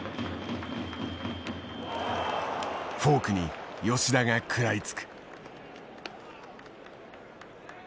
フォークに吉田が食らいつく。